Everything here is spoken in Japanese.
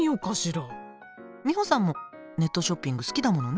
ミホさんもネットショッピング好きだものね。